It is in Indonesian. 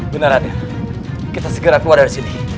benar adil kita segera keluar dari sini